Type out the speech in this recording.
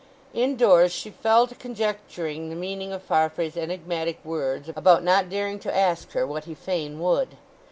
Indoors she fell to conjecturing the meaning of Farfrae's enigmatic words about not daring to ask her what he fain would.